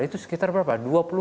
itu sekitar berapa